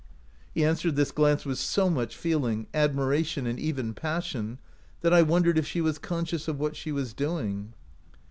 He answered this glance with so much feeling, admiration, and even passion, that I won dered if she was conscious of what she was doing.